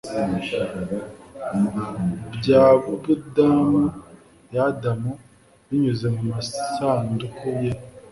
bya budamu ya adamu binyuze mumasanduku ye